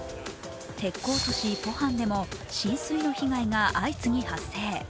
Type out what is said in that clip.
鉄鋼の街・ポハンでも浸水の被害が相次ぎ発生。